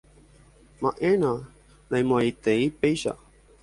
Ma'ẽna, naimo'ãiete péicha.